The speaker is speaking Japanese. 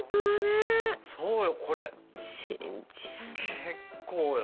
結構よ。